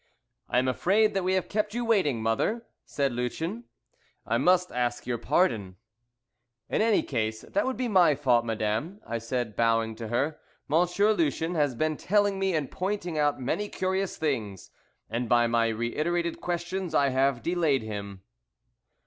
"I am afraid that we have kept you waiting, mother," said Lucien; "I must ask your pardon." "In any case, that would be my fault, madame," I said, bowing to her. "Monsieur Lucien has been telling me and pointing out many curious things, and by my reiterated questions I have delayed him."